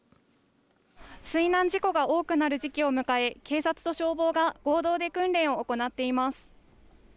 水難事故が多くなる時期を迎え警察と消防が合同で訓練を行っています。